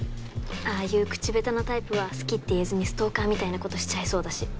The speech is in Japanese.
ああいう口下手なタイプは好きって言えずにストーカーみたいなことしちゃいそうだし。